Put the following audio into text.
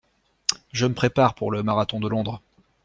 Je me prépare pour le marathon de Londres.